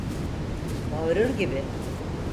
Bağırır gibi: